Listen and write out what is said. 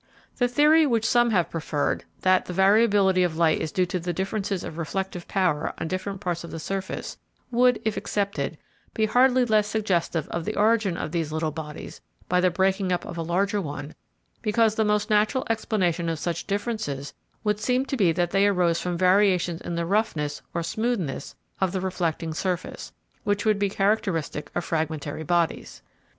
The theory which some have preferred—that the variability of light is due to the differences of reflective power on different parts of the surface—would, if accepted, be hardly less suggestive of the origin of these little bodies by the breaking up of a larger one, because the most natural explanation of such differences would seem to be that they arose from variations in the roughness or smoothness of the reflecting surface, which would be characteristic of fragmentary bodies.